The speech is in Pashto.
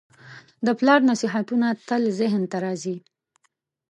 د پلار نصیحتونه تل ذهن ته راځي.